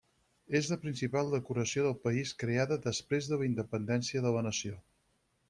És la principal decoració del país creada després de la independència de la nació.